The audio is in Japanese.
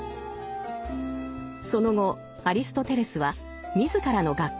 その後アリストテレスは自らの学校を作りました。